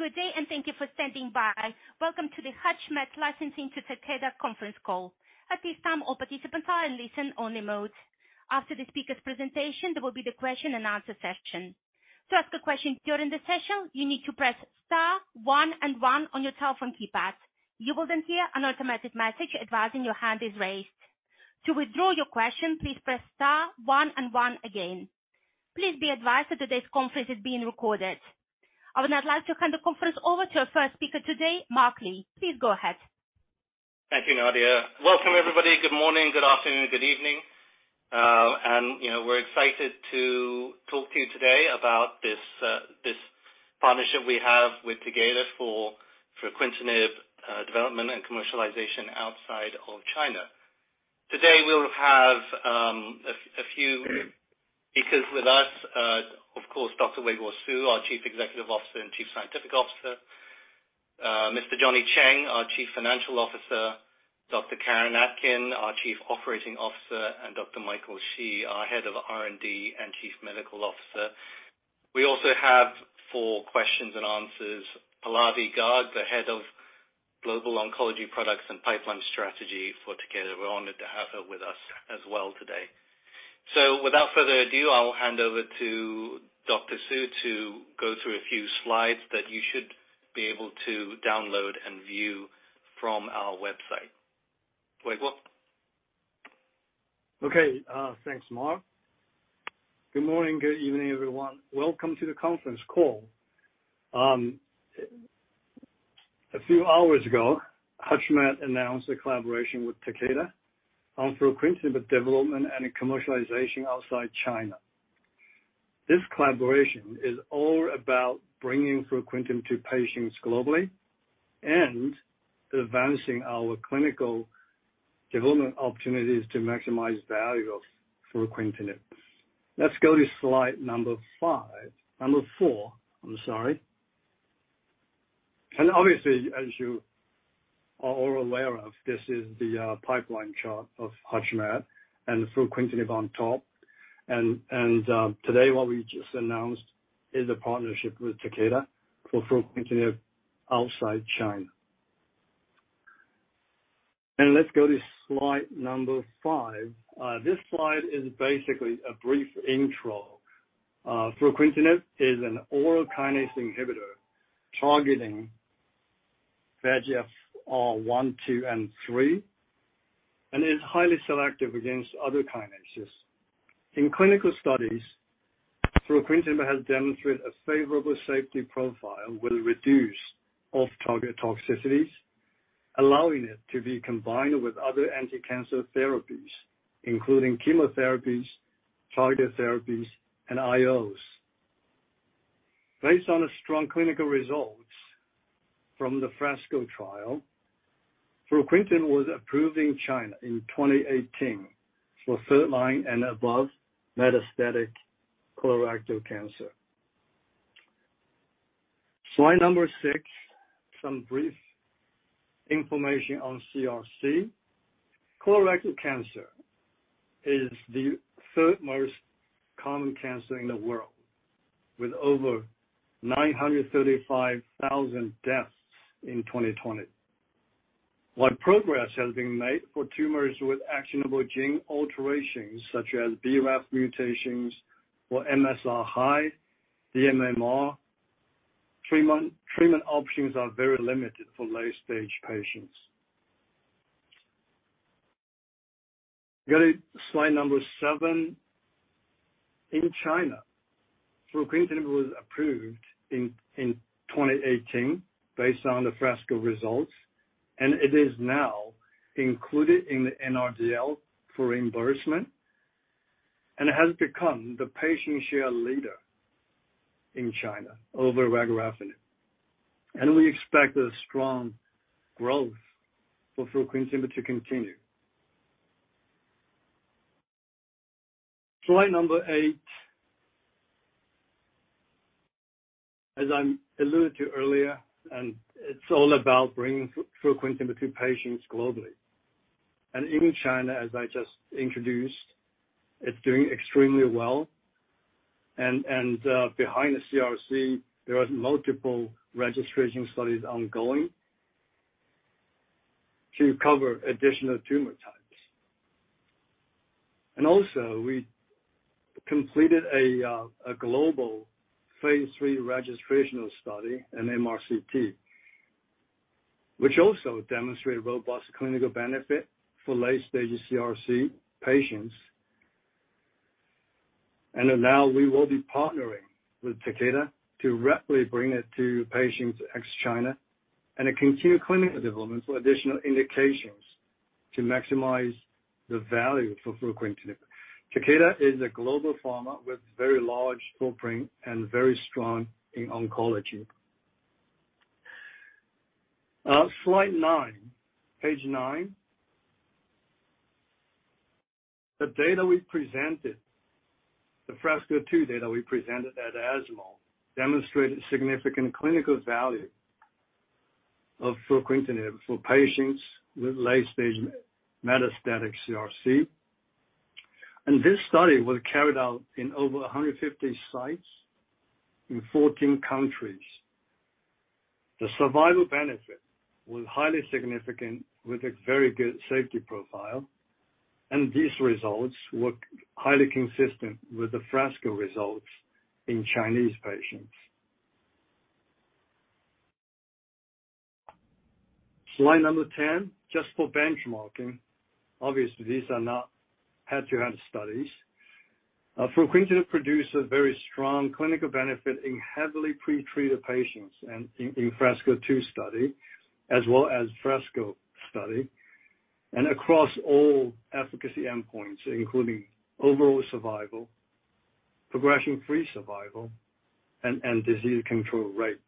Good day, thank you for standing by. Welcome to the HUTCHMED Licensing to Takeda conference call. At this time, all participants are in listen-only mode. After the speaker's presentation, there will be the question and answer session. To ask a question during the session, you need to press star one and one on your telephone keypad. You will then hear an automatic message advising your hand is raised. To withdraw your question, please press star one and one again. Please be advised that today's conference is being recorded. I would now like to hand the conference over to our first speaker today, Mark Lee. Please go ahead. Thank you, Nadia. Welcome, everybody. Good morning, good afternoon, good evening. you know, we're excited to talk to you today about this partnership we have with Takeda for fruquintinib development and commercialization outside of China. Today, we'll have a few speakers with us. Of course, Dr. Weiguo Su, our Chief Executive Officer and Chief Scientific Officer. Mr. Johnny Cheng, our Chief Financial Officer, Dr. Karen Atkin, our Chief Operating Officer, and Dr. Michael Shi, our Head of R&D and Chief Medical Officer. We also have, for questions and answers, Pallavi Garg, the Head of Global Oncology Products and Pipeline Strategy for Takeda. We're honored to have her with us as well today. Without further ado, I'll hand over to Dr. Su to go through a few slides that you should be able to download and view from our website. Weiguo. Okay. Thanks, Mark. Good morning, good evening, everyone. Welcome to the conference call. A few hours ago, HUTCHMED announced a collaboration with Takeda on fruquintinib development and commercialization outside China. This collaboration is all about bringing fruquintinib to patients globally and advancing our clinical development opportunities to maximize value of fruquintinib. Let's go to slide number 5. Number 4, I'm sorry. Obviously, as you are all aware of, this is the pipeline chart of HUTCHMED and fruquintinib on top. Today what we just announced is a partnership with Takeda for fruquintinib outside China. Let's go to slide number 5. This slide is basically a brief intro. fruquintinib is an oral kinase inhibitor targeting VEGFR 1, 2, and 3, and is highly selective against other kinases. In clinical studies, fruquintinib has demonstrated a favorable safety profile with reduced off-target toxicities, allowing it to be combined with other anti-cancer therapies, including chemotherapies, targeted therapies, and IOs. Based on the strong clinical results from the FRESCO trial, fruquintinib was approved in China in 2018 for third-line and above metastatic colorectal cancer. Slide number 6, some brief information on CRC. Colorectal cancer is the third most common cancer in the world, with over 935,000 deaths in 2020. While progress has been made for tumors with actionable gene alterations such as BRAF mutations or MSI-H dMMR, treatment options are very limited for late-stage patients. Go to slide number 7. In China, fruquintinib was approved in 2018 based on the FRESCO results. It is now included in the NRDL for reimbursement and has become the patient share leader in China over regorafenib. We expect a strong growth for fruquintinib to continue. Slide number 8. As I alluded to earlier, it's all about bringing fruquintinib to patients globally. In China, as I just introduced, it's doing extremely well. Behind the CRC, there are multiple registration studies ongoing to cover additional tumor types. Also, we completed a global phase 3 registrational study, an MRCT, which also demonstrated robust clinical benefit for late-stage CRC patients. Now we will be partnering with Takeda to rapidly bring it to patients ex China and continue clinical development for additional indications to maximize the value for fruquintinib. Takeda is a global pharma with very large footprint and very strong in oncology. Slide 9. Page 9. The data we presented, the FRESCO-2 data we presented at ESMO demonstrated significant clinical value of fruquintinib for patients with late stage metastatic CRC. This study was carried out in over 150 sites in 14 countries. The survival benefit was highly significant with a very good safety profile, and these results were highly consistent with the FRESCO results in Chinese patients. Slide number 10, just for benchmarking. Obviously, these are not head-to-head studies. fruquintinib produced a very strong clinical benefit in heavily pre-treated patients and in FRESCO-2 study as well as FRESCO study, and across all efficacy endpoints, including overall survival, progression-free survival, and disease control rate.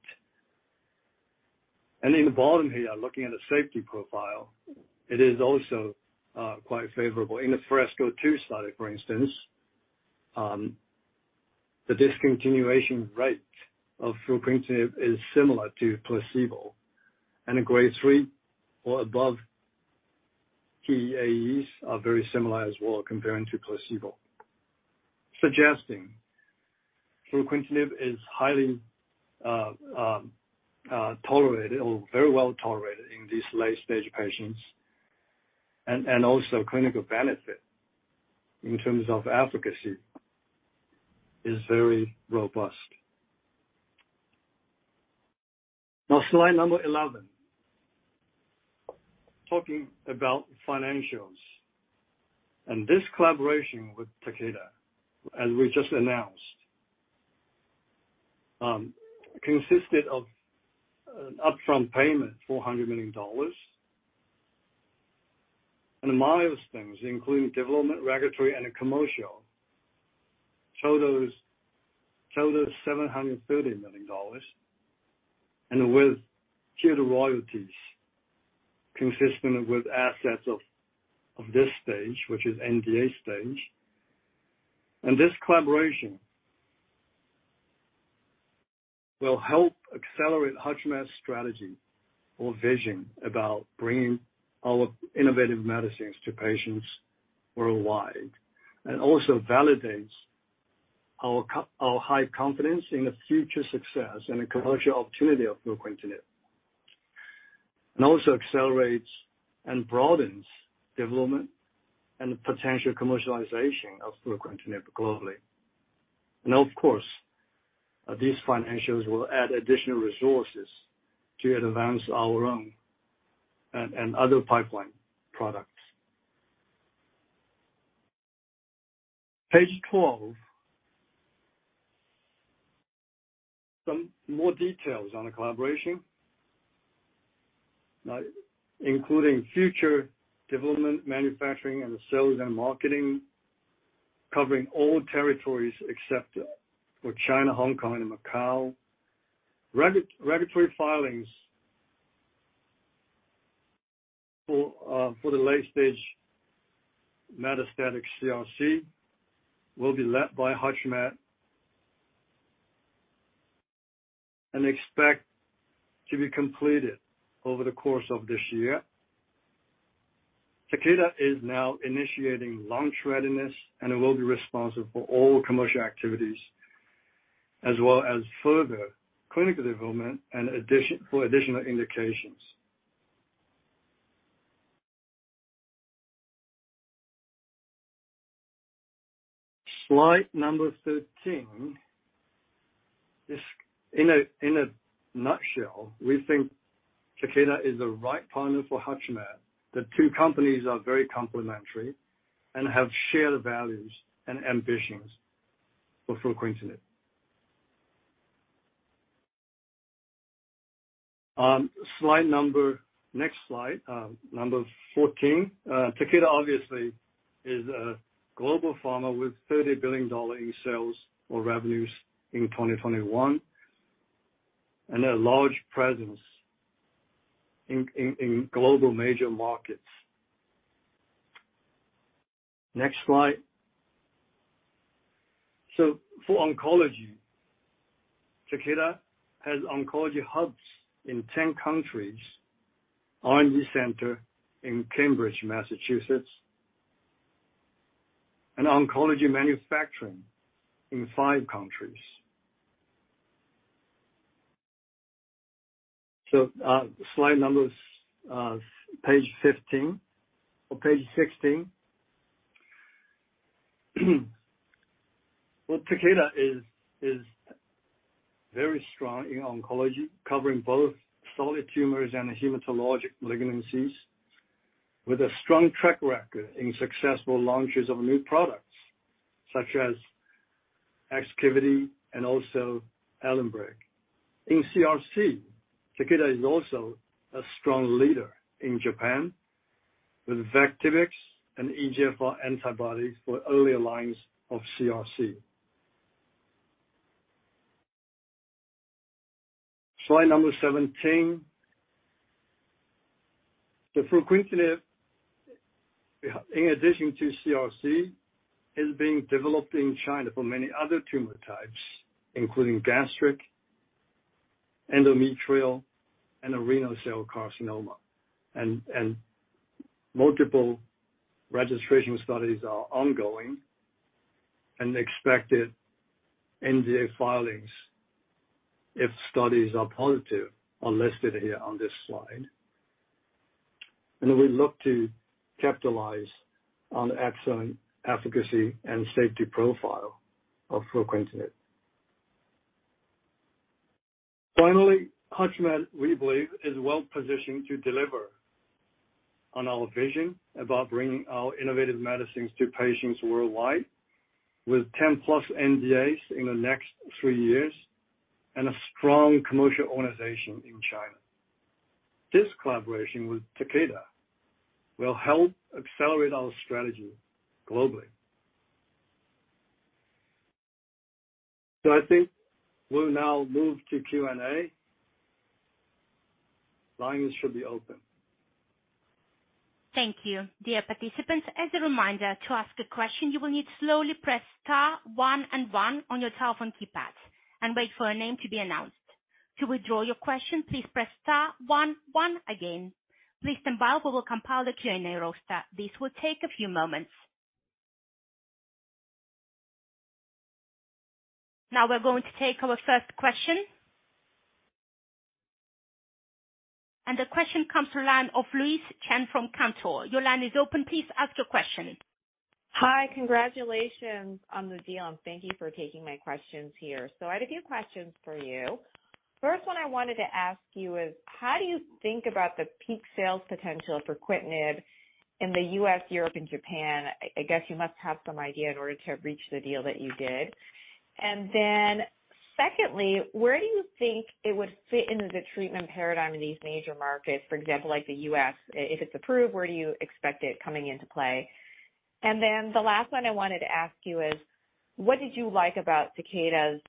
In the bottom here, looking at the safety profile, it is also quite favorable. In the FRESCO-2 study, for instance, the discontinuation rate of fruquintinib is similar to placebo and grade 3 or above TEAEs are very similar as well comparing to placebo, suggesting fruquintinib is highly tolerated or very well tolerated in these late-stage patients and also clinical benefit in terms of efficacy is very robust. Now, slide number 11. Talking about financials. This collaboration with Takeda, as we just announced, consisted of an upfront payment, $400 million. The milestones including development, regulatory, and commercial, total is $730 million, and with tier royalties consistent with assets of this stage, which is NDA stage. This collaboration will help accelerate HUTCHMED's strategy or vision about bringing our innovative medicines to patients worldwide, and also validates our high confidence in the future success and commercial opportunity of fruquintinib. Also accelerates and broadens development and potential commercialization of fruquintinib globally. Of course, these financials will add additional resources to advance our own and other pipeline products. Page 12. Some more details on the collaboration, including future development, manufacturing, and sales and marketing, covering all territories except for China, Hong Kong, and Macau. Regulatory filings for the late-stage metastatic CRC will be led by HUTCHMED and expect to be completed over the course of this year. Takeda is now initiating launch readiness and will be responsible for all commercial activities as well as further clinical development for additional indications. Slide number 13. In a nutshell, we think Takeda is the right partner for HUTCHMED. The two companies are very complementary and have shared values and ambitions for fruquintinib. Next slide, number 14. Takeda obviously is a global pharma with $30 billion in sales or revenues in 2021, and a large presence in global major markets. Next slide. For oncology, Takeda has oncology hubs in 10 countries, R&D center in Cambridge, Massachusetts, and oncology manufacturing in 5 countries. Slide numbers, page 15 or page 16. Takeda is very strong in oncology, covering both solid tumors and hematologic malignancies, with a strong track record in successful launches of new products such as Exkivity and also Alunbrig. In CRC, Takeda is also a strong leader in Japan with Vectibix and EGFR antibodies for earlier lines of CRC. Slide number 17. The fruquintinib, in addition to CRC, is being developed in China for many other tumor types, including gastric, endometrial, and renal cell carcinoma. Multiple registration studies are ongoing and expected NDA filings if studies are positive, are listed here on this slide. We look to capitalize on excellent efficacy and safety profile of fruquintinib. Finally, HUTCHMED, we believe, is well-positioned to deliver on our vision about bringing our innovative medicines to patients worldwide with 10+ NDAs in the next three years and a strong commercial organization in China. This collaboration with Takeda will help accelerate our strategy globally. I think we'll now move to Q&A. Lines should be open. Thank you. Dear participants, as a reminder, to ask a question, you will need to slowly press star one and one on your telephone keypad and wait for a name to be announced. To withdraw your question, please press star one one again. Please stand by while we compile the Q&A roster. This will take a few moments. Now we're going to take our first question. The question comes to line of Louise Chen from Cantor. Your line is open. Please ask your question. Hi. Congratulations on the deal, and thank you for taking my questions here. I had a few questions for you. First one I wanted to ask you is, how do you think about the peak sales potential for fruquintinib in the U.S., Europe, and Japan? I guess you must have some idea in order to have reached the deal that you did. Secondly, where do you think it would fit into the treatment paradigm in these major markets, for example, like the U.S.? If it's approved, where do you expect it coming into play? The last one I wanted to ask you is, what did you like about Takeda's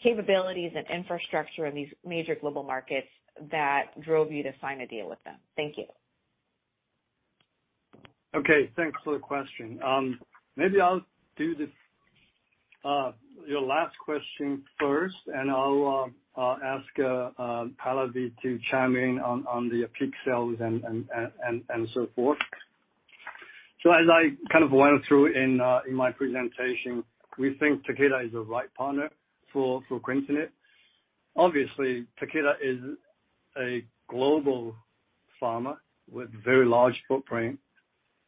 capabilities and infrastructure in these major global markets that drove you to sign a deal with them? Thank you. Okay, thanks for the question. Maybe I'll do this, your last question first, and I'll ask Pallavi to chime in on the peak sales and so forth. As I kind of went through in my presentation, we think Takeda is the right partner for fruquintinib. Obviously, Takeda is a global pharma with very large footprint,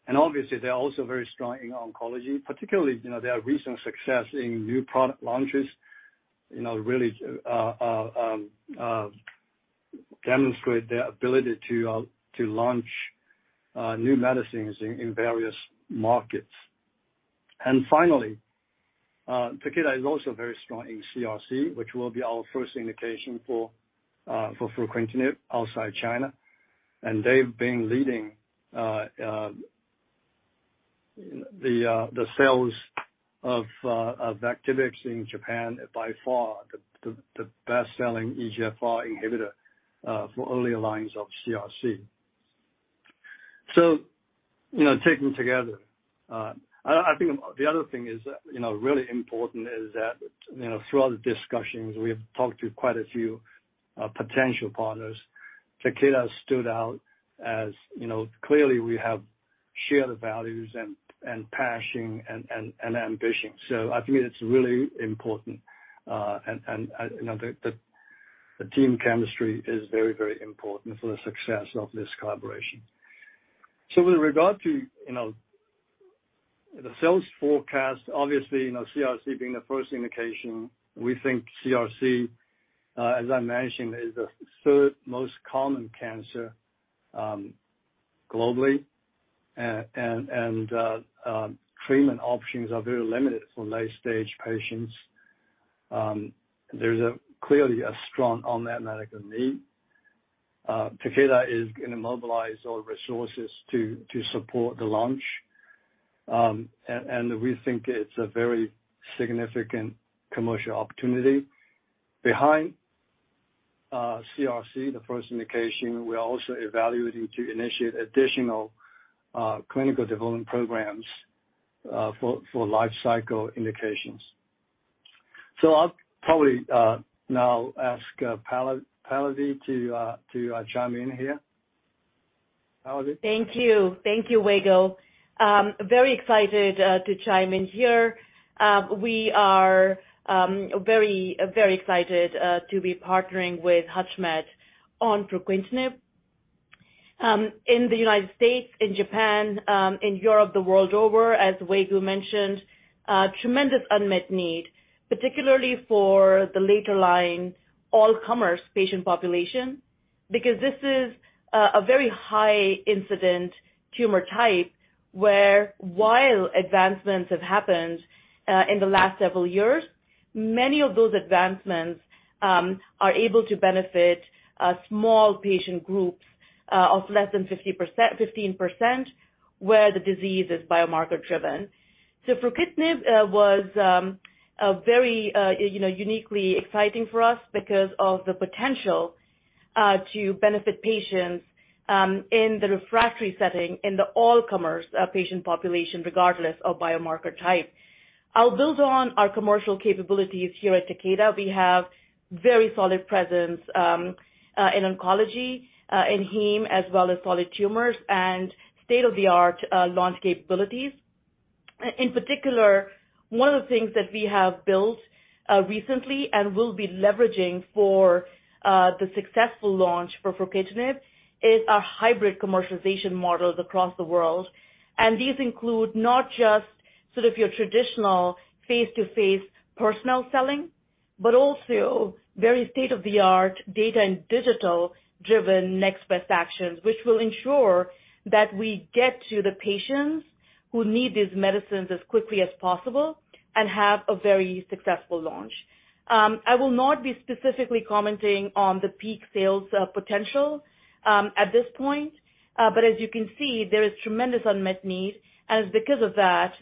and obviously they're also very strong in oncology, particularly, you know, their recent success in new product launches, you know, really demonstrate their ability to launch new medicines in various markets. Finally, Takeda is also very strong in CRC, which will be our first indication for fruquintinib outside China. They've been leading the sales of Vectibix in Japan by far the best-selling EGFR inhibitor for earlier lines of CRC. You know, taken together, I think the other thing is, you know, really important is that, you know, throughout the discussions, we have talked to quite a few potential partners. Takeda stood out as, you know, clearly we have shared values and passion and ambition. I think it's really important. You know, the team chemistry is very, very important for the success of this collaboration. With regard to, you know, the sales forecast, obviously, you know, CRC being the first indication, we think CRC, as I mentioned, is the third most common cancer globally. Treatment options are very limited for late-stage patients. There's a clearly a strong unmet medical need. Takeda is gonna mobilize all resources to support the launch and we think it's a very significant commercial opportunity. Behind CRC, the first indication, we're also evaluating to initiate additional clinical development programs for lifecycle indications. I'll probably now ask Pallavi to chime in here. Pallavi? Thank you. Thank you, Weiguo Su. Very excited to chime in here. We are very excited to be partnering with HUTCHMED on fruquintinib. In the United States, in Japan, in Europe, the world over, as Weiguo Su mentioned, a tremendous unmet need, particularly for the later line all comers patient population, because this is a very high-incident tumor type, where while advancements have happened in the last several years, many of those advancements are able to benefit small patient groups of less than 15%, where the disease is biomarker driven. Fruquintinib, was, you know, uniquely exciting for us because of the potential to benefit patients in the refractory setting in the all comers patient population, regardless of biomarker type. I'll build on our commercial capabilities here at Takeda. We have very solid presence in oncology, in heme, as well as solid tumors and state-of-the-art launch capabilities. In particular, one of the things that we have built recently and will be leveraging for the successful launch for fruquintinib is our hybrid commercialization models across the world. These include not just sort of your traditional face-to-face personal selling, but also very state-of-the-art data and digital driven next best actions, which will ensure that we get to the patients who need these medicines as quickly as possible and have a very successful launch. I will not be specifically commenting on the peak sales potential at this point, but as you can see, there is tremendous unmet need and it's because of that,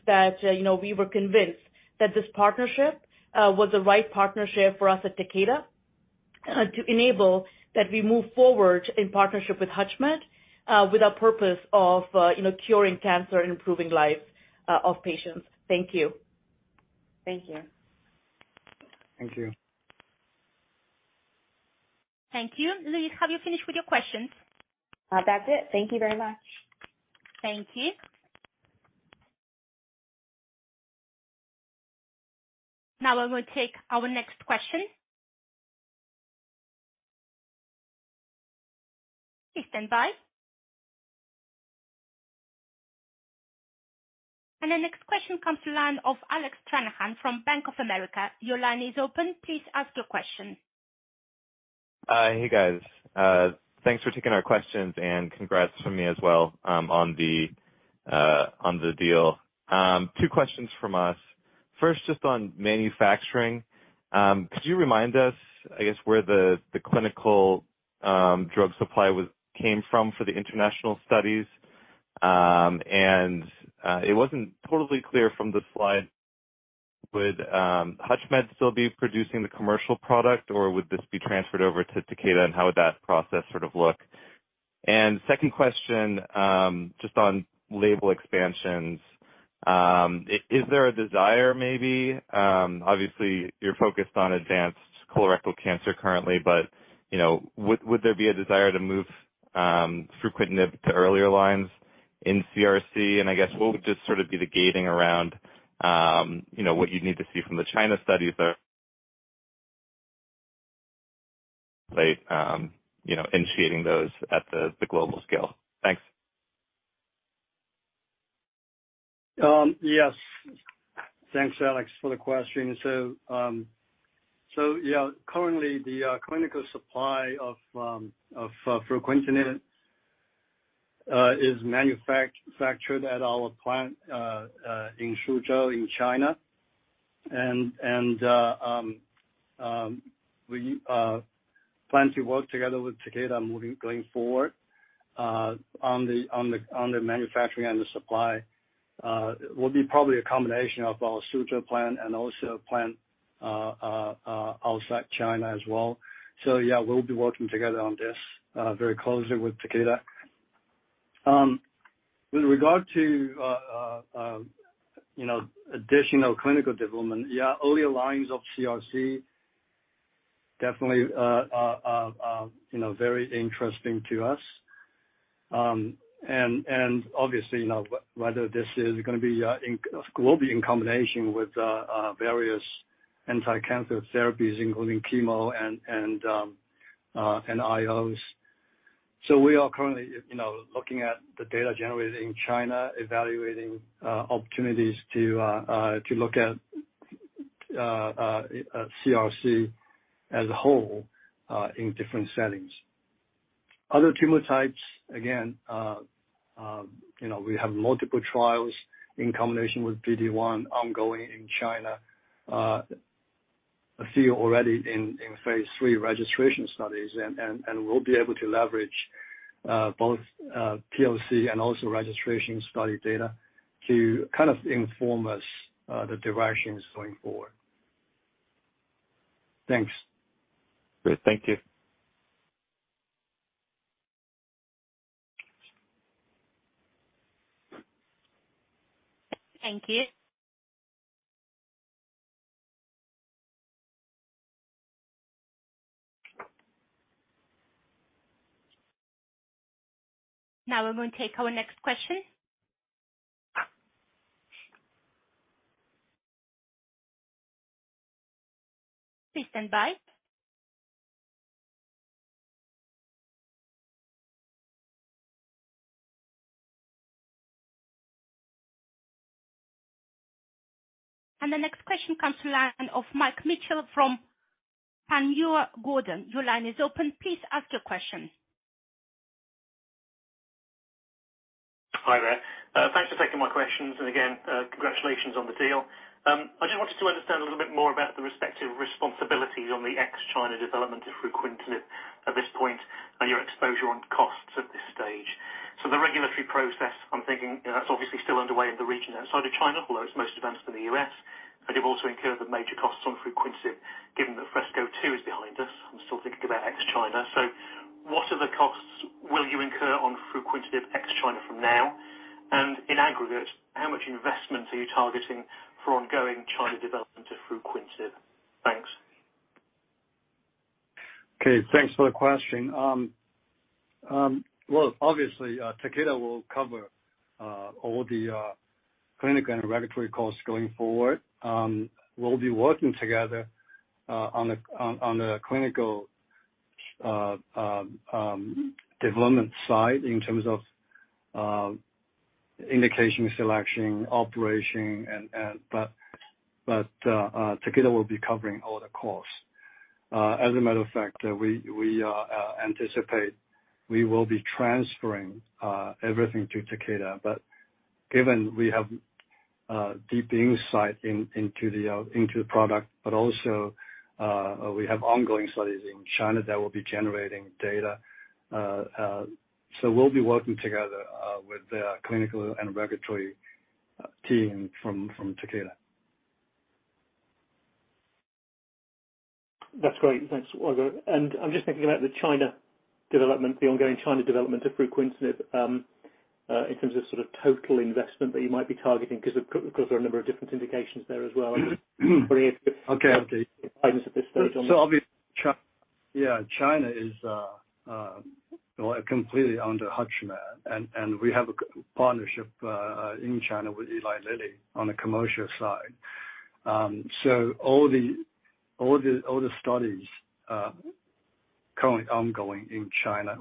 you know, we were convinced that this partnership was the right partnership for us at Takeda, to enable that we move forward in partnership with HUTCHMED, with a purpose of, you know, curing cancer and improving lives of patients. Thank you. Thank you. Thank you. Thank you. Louise, have you finished with your questions? That's it. Thank you very much. Thank you. Now, I'm gonna take our next question. Please stand by. The next question comes to line of Alex Horgan from Bank of America. Your line is open. Please ask your question. Hey, guys. Thanks for taking our questions, and congrats from me as well, on the deal. Two questions from us. First, just on manufacturing, could you remind us, I guess, where the clinical drug supply came from for the international studies? It wasn't totally clear from the slide, would HUTCHMED still be producing the commercial product, or would this be transferred over to Takeda and how would that process sort of look? Second question, just on label expansions, is there a desire maybe, obviously you're focused on advanced colorectal cancer currently, but, you know, would there be a desire to move fruquintinib to earlier lines in CRC? I guess what would just sort of be the gating around, you know, what you need to see from the China studies that... you know, initiating those at the global scale? Thanks. Yes. Thanks, Alex, for the question. Yeah, currently the clinical supply of fruquintinib is manufactured at our plant in Suzhou, in China. We plan to work together with Takeda going forward on the manufacturing and the supply. Will be probably a combination of our Suzhou plant and also a plant outside China as well. Yeah, we'll be working together on this very closely with Takeda. With regard to, you know, additional clinical development, yeah, earlier lines of CRC definitely are, you know, very interesting to us. Obviously, you know, whether this is gonna be globally in combination with various anti-cancer therapies, including chemo and IOs. We are currently, you know, looking at the data generated in China, evaluating opportunities to look at CRC as a whole in different settings. Other tumor types, again, you know, we have multiple trials in combination with PD-1 ongoing in China. A few already in phase 3 registration studies and we'll be able to leverage both POC and also registration study data to kind of inform us the directions going forward. Thanks. Great. Thank you. Thank you. Now, I'm gonna take our next question. Please stand by. The next question comes to line of Mike Mitchell from Panmure Gordon. Your line is open. Please ask your question. Hi there. Thanks for taking my questions. Again, congratulations on the deal. I just wanted to understand a little bit more about the respective responsibilities on the ex-China development of fruquintinib at this point and your exposure on costs at this stage. The regulatory process, I'm thinking, you know, that's obviously still underway in the region outside of China, although it's most advanced in the U.S. You've also incurred the major costs on fruquintinib, given that FRESCO-2 is behind us. I'm still thinking about ex-China. What are the costs will you incur on fruquintinib ex-China from now? In aggregate, how much investment are you targeting for ongoing China development of fruquintinib? Thanks. Okay, thanks for the question. Well obviously, Takeda will cover all the clinical and regulatory costs going forward. We'll be working together on the clinical development side in terms of indication selection, operation and but Takeda will be covering all the costs. As a matter of fact, we anticipate we will be transferring everything to Takeda, but given we have deep insight into the product, but also we have ongoing studies in China that will be generating data. We'll be working together with the clinical and regulatory team from Takeda. That's great. Thanks, Weiguo. I'm just thinking about the China development, the ongoing China development of fruquintinib, in terms of sort of total investment that you might be targeting 'cause, of course, there are a number of different indications there as well. Okay. At this stage. China is completely under HUTCHMED, and we have a partnership in China with Eli Lilly on the commercial side. All the studies currently ongoing in China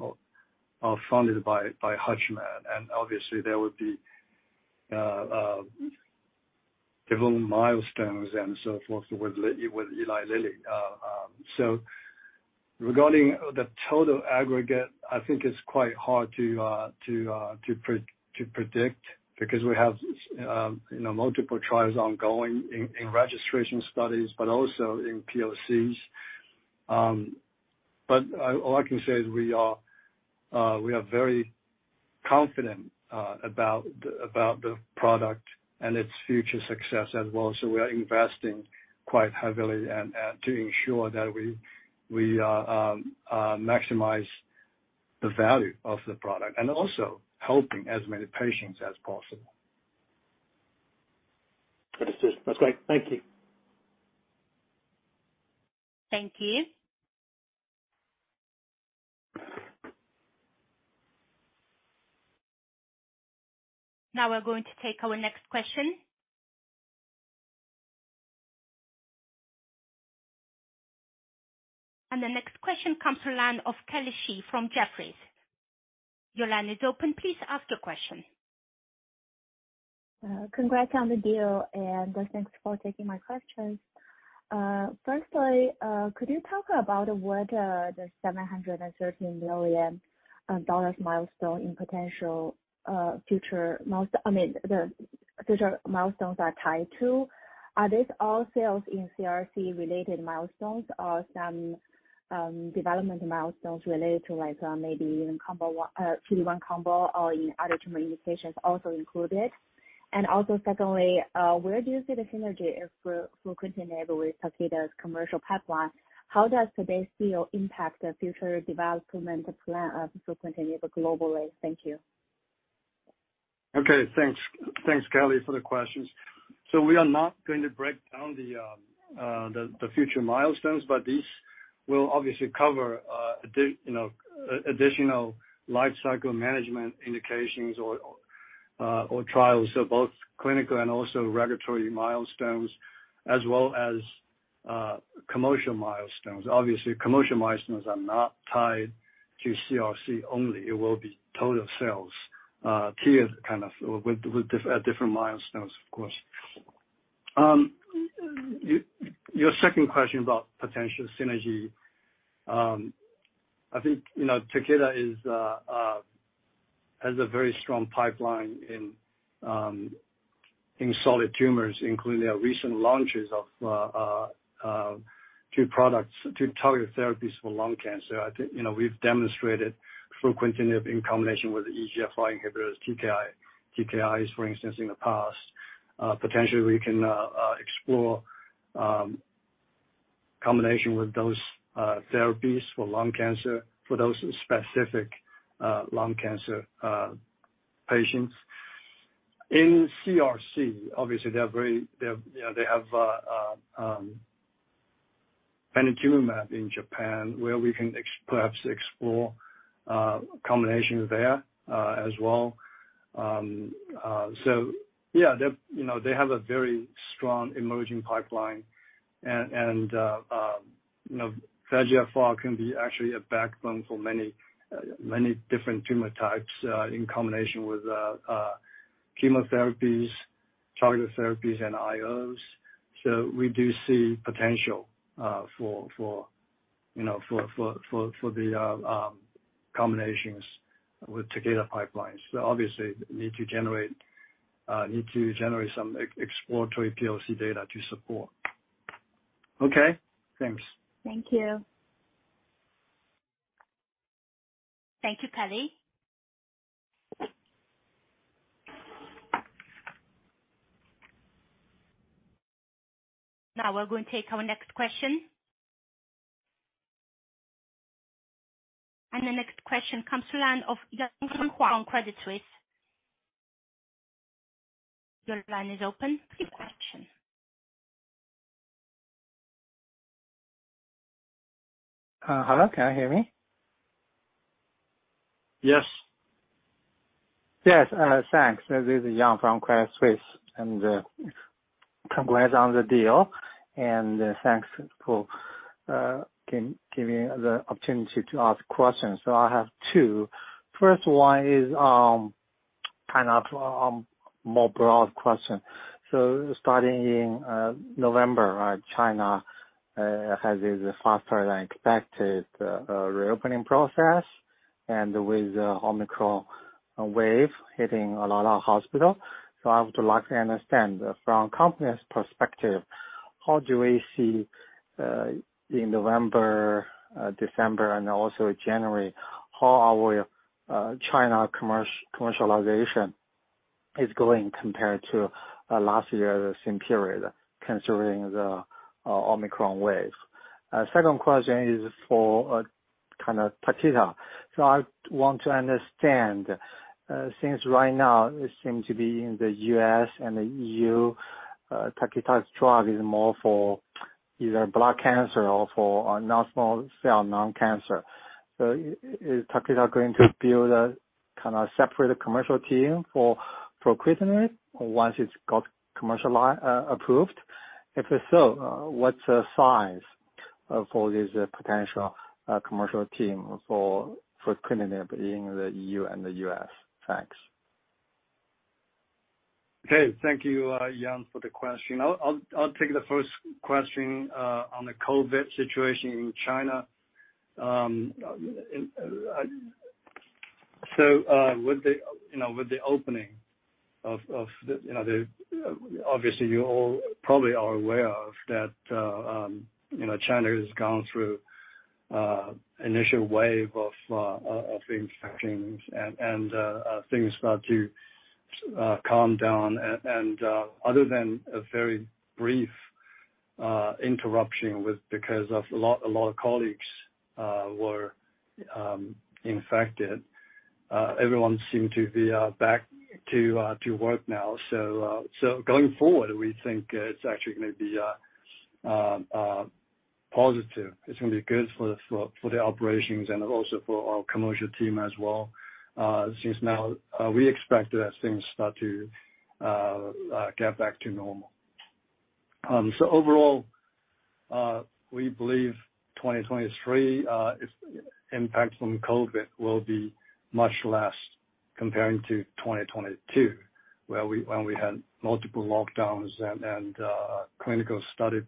are funded by HUTCHMED, and obviously there will be development milestones and so forth with Eli Lilly. Regarding the total aggregate, I think it's quite hard to predict because we have, you know, multiple trials ongoing in registration studies, but also in POCs. But all I can say is we are very confident about the product and its future success as well. We are investing quite heavily and to ensure that we maximize the value of the product and also helping as many patients as possible. That's great. Thank you. Thank you. Now we're going to take our next question. The next question comes to line of Kelly Shi from Jefferies. Your line is open. Please ask your question. Congrats on the deal, thanks for taking my questions. Firstly, could you talk about what the $713 million milestone in potential future milestones are tied to? Are these all sales in CRC-related milestones or some development milestones related to like, maybe even combo PD-1 combo or any other tumor indications also included? Secondly, where do you see the synergy of fruquintinib with Takeda's commercial pipeline? How does today's deal impact the future development plan of fruquintinib globally? Thank you. Okay, thanks. Thanks, Kelly, for the questions. We are not going to break down the future milestones, but these will obviously cover, you know, additional lifecycle management indications or trials, so both clinical and also regulatory milestones as well as commercial milestones. Obviously, commercial milestones are not tied to CRC only. It will be total sales, tiered kind of at different milestones, of course. Your second question about potential synergy, I think, you know, Takeda has a very strong pipeline in solid tumors, including their recent launches of two products, two targeted therapies for lung cancer. I think, you know, we've demonstrated fruquintinib in combination with the EGFR inhibitors, TKI, TKIs, for instance, in the past. Potentially we can explore combination with those therapies for lung cancer for those specific lung cancer patients. In CRC, obviously, they have very, they have, you know, they have panitumumab in Japan, where we can perhaps explore combinations there as well. So yeah, they're, you know, they have a very strong emerging pipeline and, you know, EGFR can be actually a backbone for many, many different tumor types, in combination with chemotherapies, targeted therapies, and IOs. So we do see potential for, you know, for, for the combinations with Takeda pipelines. So obviously need to generate, need to generate some exploratory POC data to support. Okay? Thanks. Thank you. Thank you, Kelly. Now we're going to take our next question. The next question comes to line of Yang from Credit Suisse. Your line is open. Please pose your question. Hello, can you hear me? Yes. Yes, thanks. This is Yang from Credit Suisse, and congrats on the deal, and thanks for giving the opportunity to ask questions. I have two. First one is, kind of more broad question. Starting in November, China has this faster than expected reopening process and with the Omicron wave hitting a lot of hospital. I would like to understand from company's perspective, how do we see in November, December and also January, how China commercialization is going compared to last year the same period considering the Omicron wave? Second question is for, kind of Takeda. I want to understand, since right now it seems to be in the U.S. and the EU, Takeda's drug is more for either blood cancer or for non-small cell lung cancer. Is Takeda going to build a kind of separate commercial team for fruquintinib once it's got commercialized, approved? If so, what's the size for this potential commercial team for fruquintinib in the EU and the U.S.? Thanks. Okay. Thank you, Yang, for the question. I'll take the first question on the COVID situation in China. With the, you know, with the opening of the, you know, Obviously you all probably are aware of that, you know, China has gone through initial wave of infections and things start to calm down. Other than a very brief interruption with, because of a lot of colleagues were infected, everyone seemed to be back to work now. Going forward, we think it's actually gonna be positive. It's gonna be good for the operations and also for our commercial team as well, since now, we expect that things start to get back to normal. Overall, we believe 2023, its impact from COVID will be much less comparing to 2022, when we had multiple lockdowns and clinical study,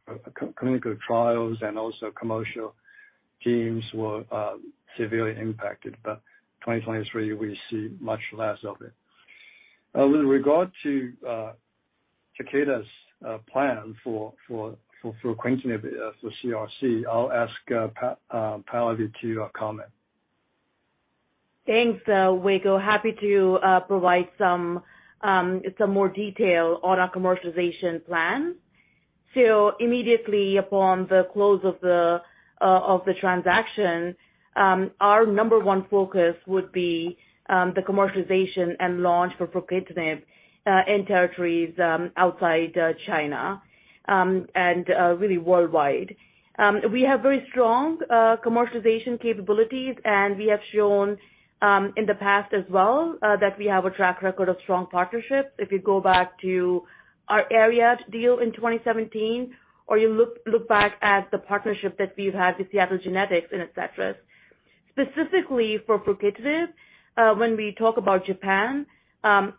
clinical trials and also commercial teams were severely impacted. 2023, we see much less of it. With regard to Takeda's plan for fruquintinib, for CRC, I'll ask Pallavi to comment. Thanks, Weiguo. Happy to provide some more detail on our commercialization plan. Immediately upon the close of the transaction, our number one focus would be the commercialization and launch for fruquintinib in territories outside China and really worldwide. We have very strong commercialization capabilities, and we have shown in the past as well that we have a track record of strong partnerships. If you go back to our ARIAD deal in 2017 or you look back at the partnership that we've had with Seattle Genetics and Adcetris. Specifically for fruquintinib, when we talk about Japan,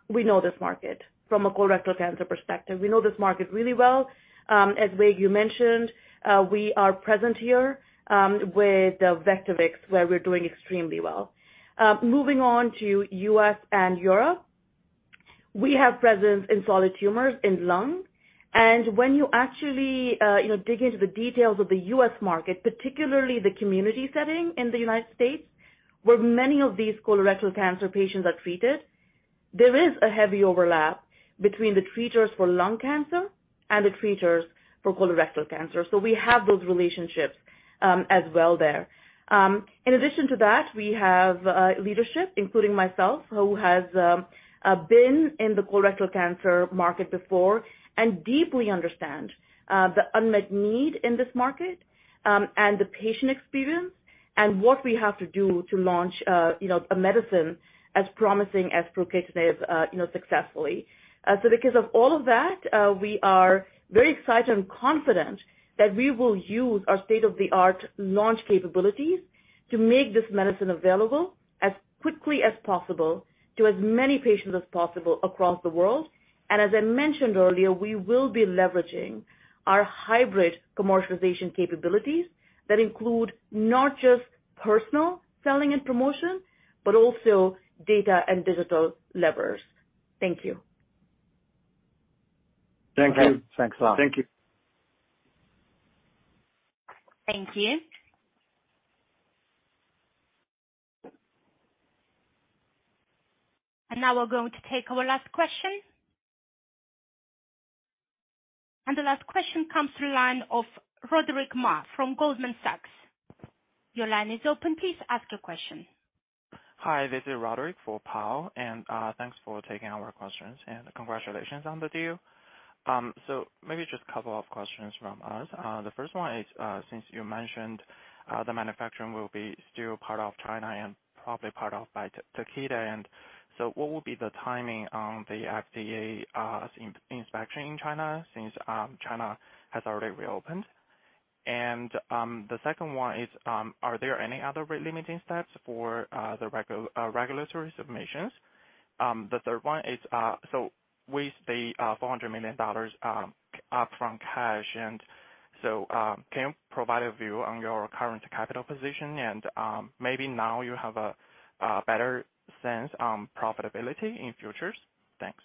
we know this market from a colorectal cancer perspective. We know this market really well. As Wei you mentioned, we are present here with Vectibix, where we're doing extremely well. Moving on to U.S. and Europe, we have presence in solid tumors in lung. When you actually, you know, dig into the details of the U.S. market, particularly the community setting in the United States, where many of these colorectal cancer patients are treated, there is a heavy overlap between the treaters for lung cancer and the treaters for colorectal cancer. We have those relationships, as well there. In addition to that, we have leadership, including myself, who has been in the colorectal cancer market before and deeply understand the unmet need in this market and the patient experience and what we have to do to launch, you know, a medicine as promising as fruquintinib, you know, successfully. Because of all of that, we are very excited and confident that we will use our state-of-the-art launch capabilities to make this medicine available as quickly as possible to as many patients as possible across the world. As I mentioned earlier, we will be leveraging our hybrid commercialization capabilities that include not just personal selling and promotion, but also data and digital levers. Thank you. Thank you. Thanks a lot. Thank you. Thank you. Now we're going to take our last question. The last question comes through line of Kyuwon Choi from Goldman Sachs. Your line is open. Please ask your question. Hi, this is Roderick for Pao. Thanks for taking our questions, and congratulations on the deal. Maybe just a couple of questions from us. The first one is, since you mentioned, the manufacturing will be still part of China and probably part of by Takeda. What will be the timing on the FDA inspection in China since China has already reopened? The second one is, are there any other limiting steps for the regulatory submissions? The third one is, with the $400 million up from cash, can you provide a view on your current capital position and maybe now you have a better sense on profitability in futures? Thanks.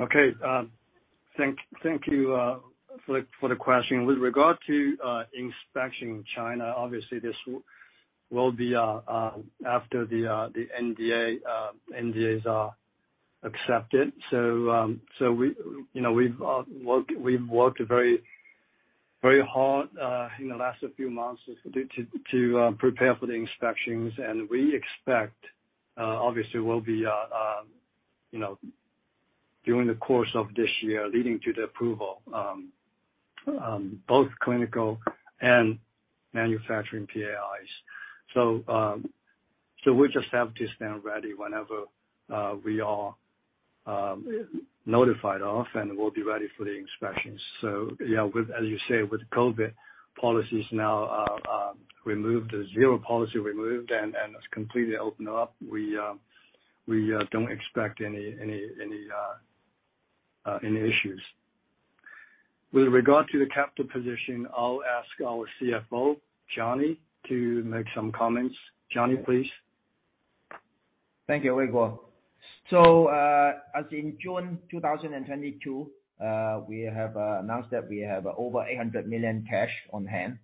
Okay. Thank you for the question. With regard to inspection in China, obviously this will be after the NDAs are accepted. We, you know, we've worked very hard in the last few months to prepare for the inspections. We expect, obviously we'll be, you know, during the course of this year leading to the approval, both clinical and manufacturing PAIs. We just have to stand ready whenever we are notified of, and we'll be ready for the inspections. Yeah, with... as you say, with COVID policies now removed, the zero policy removed and it's completely opened up, we don't expect any issues. With regard to the capital position, I'll ask our CFO, Johnny, to make some comments. Johnny, please. Thank you, Weiguo. As in June 2022, we have announced that we have over $800 million cash on hand.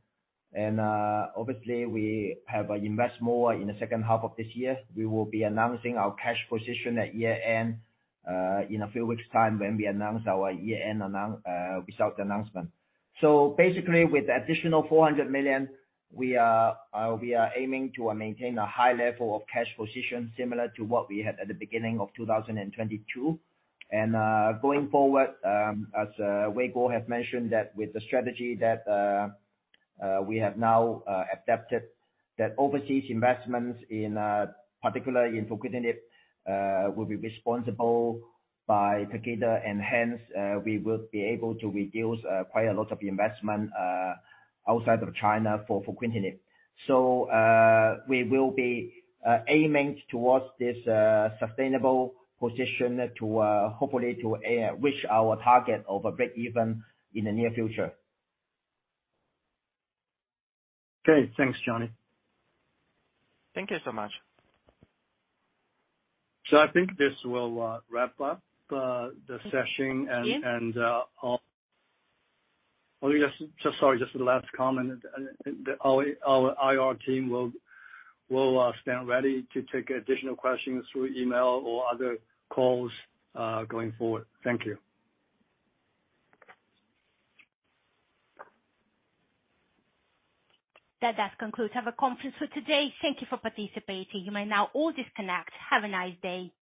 Obviously we have invest more in the second half of this year. We will be announcing our cash position at year-end in a few weeks' time when we announce our year-end result announcement. With the additional $400 million, we are aiming to maintain a high level of cash position similar to what we had at the beginning of 2022. Going forward, as Weiguo have mentioned that with the strategy that we have now adapted that overseas investments in particular in fruquintinib, will be responsible by Takeda and hence, we will be able to reduce quite a lot of investment outside of China for fruquintinib. We will be aiming towards this sustainable position to hopefully to reach our target of a break even in the near future. Okay. Thanks, Johnny. Thank you so much. I think this will wrap up the session. Yes. So sorry, just the last comment. Our IR team will stand ready to take additional questions through email or other calls going forward. Thank you. That does conclude our conference for today. Thank You for participating. You may now all disconnect. Have a nice day.